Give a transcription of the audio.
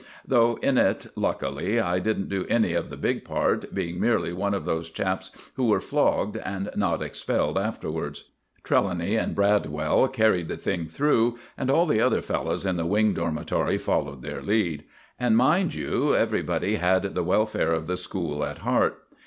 Though in it luckily, I didn't do any of the big part, being merely one of those chaps who were flogged and not expelled afterwards. Trelawny and Bradwell carried the thing through, and all the other fellows in the Wing Dormitory followed their lead. And, mind you, everybody had the welfare of the school at heart.